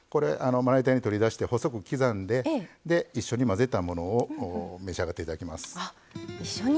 これ、取り出して細く刻んで一緒に混ぜたものを召し上がっていただきます。